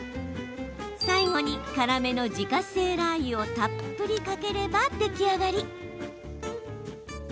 最後に、辛めの自家製ラーユをたっぷりかければ出来上がり。